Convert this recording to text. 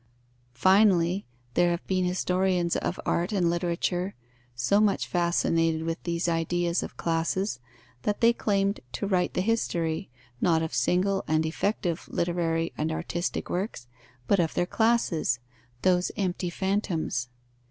Finally, there have been historians of art and literature, so much fascinated with these ideas of classes, that they claimed to write the history, not of single and effective literary and artistic works, but of their classes, those empty phantoms.